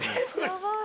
やばい。